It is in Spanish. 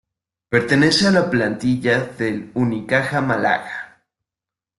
Pertenece a la plantilla del Unicaja Málaga.